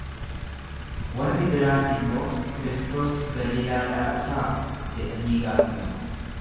Warri biraa immoo, Kristos Galiilaadhaa dhufaa? jedhanii gaafatan.